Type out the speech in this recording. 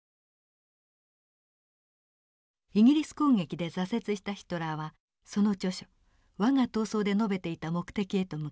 イギリス攻撃で挫折したヒトラーはその著書「わが闘争」で述べていた目的へと向かいます。